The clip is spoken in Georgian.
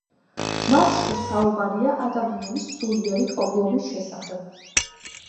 მასში საუბარია ადამიანის სულიერი ობლობის შესახებ.